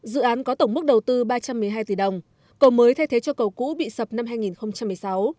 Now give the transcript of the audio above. dự án có tổng mức đầu tư ba trăm một mươi hai tỷ đồng cầu mới thay thế cho cầu cũ bị sập năm hai nghìn một mươi sáu